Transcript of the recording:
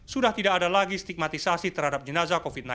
sudah tidak ada lagi stigmatisasi terhadap jenazah covid sembilan belas